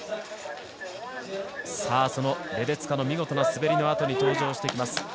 そのレデツカの見事な滑りのあとに登場してきます